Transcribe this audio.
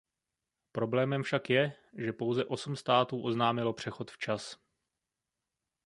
Problémem však je, že pouze osm států oznámilo přechod včas.